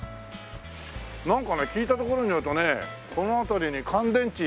なんかね聞いたところによるとねこの辺りに乾電池。